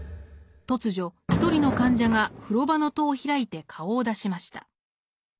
突如一人の患者が風呂場の戸を開いて顔を出しました。